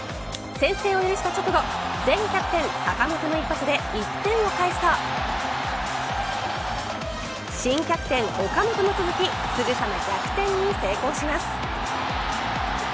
先制を許した直後、前キャプテン坂本の一発で、１点を返すと新キャプテン岡本も続きすぐさま逆転に成功します。